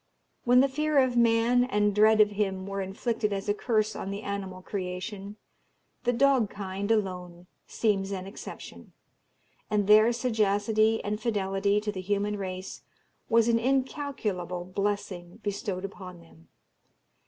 When the fear of man and dread of him were inflicted as a curse on the animal creation, the dog kind alone seems an exception, and their sagacity and fidelity to the human race was an incalculable blessing bestowed upon them.